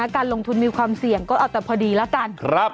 การลงทุนมีความเสี่ยงก็เอาแต่พอดีแล้วกัน